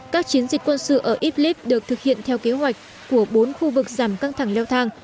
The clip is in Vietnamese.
các chiến dịch quân sự ở iblis được thực hiện theo kế hoạch của bốn khu vực giảm căng thẳng leo thang